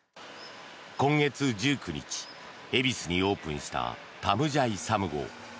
今月１９日恵比寿にオープンしたタムジャイサムゴー。